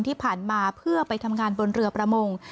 ที่ผ่านมาเพื่อไปทำงานบนเรือประมง